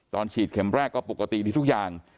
ตอนฉีดเข็ม๑ก็ปกติที่ทุกอย่าง